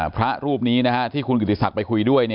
พระรูปนี้ที่คุณกิติศักดิ์ไปคุยด้วย